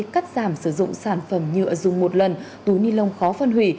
cắt giảm sử dụng sản phẩm nhựa dùng một lần túi ni lông khó phân hủy